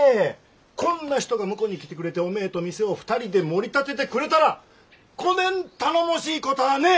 こんな人が婿に来てくれておめえと店を２人でもり立ててくれたらこねん頼もしいこたあねえ！